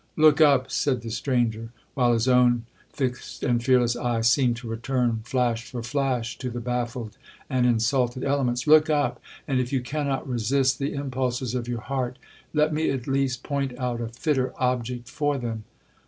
'Look up,' said the stranger, while his own fixed and fearless eye seemed to return flash for flash to the baffled and insulted elements; 'Look up, and if you cannot resist the impulses of your heart, let me at least point out a fitter object for them.